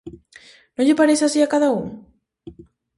Non lle parece así a cada un?